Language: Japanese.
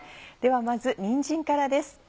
ではまずにんじんからです。